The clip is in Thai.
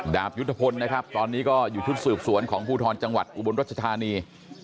ยุทธพลนะครับตอนนี้ก็อยู่ชุดสืบสวนของภูทรจังหวัดอุบลรัชธานี